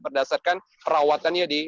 berdasarkan perawatannya di